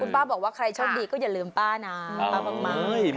คุณป้าบอกว่าใครโชคดีก็อย่าลืมป้านะป้าบางมั้งไม่ลืม